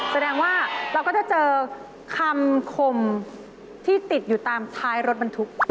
แสดงว่าเราก็จะเจอคำคมที่ติดอยู่ตามท้ายรถบรรทุก